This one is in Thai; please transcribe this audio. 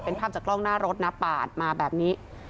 เป็นภาพจากกล้องหน้ารถนะปาดมาแบบนี้